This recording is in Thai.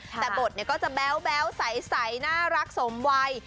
แต่บทก็จะแบ๊วใสน่ารักสมวัย